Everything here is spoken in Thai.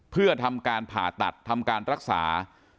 เพื่อทำการผ่าตัดทำการรักษา